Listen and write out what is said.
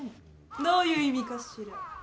どういう意味かしら。